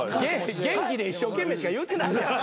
元気で一生懸命しか言うてないやん。